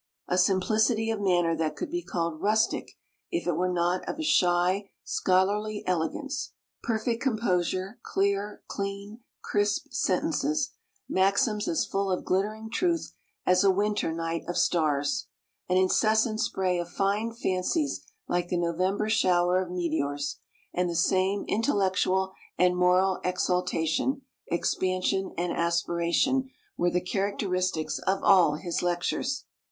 A simplicity of manner that could be called rustic if it were not of a shy, scholarly elegance; perfect composure, clear, clean, crisp sentences; maxims as full of glittering truth as a winter night of stars; an incessant spray of fine fancies like the November shower of meteors; and the same intellectual and moral exaltation, expansion, and aspiration, were the characteristics of all his lectures.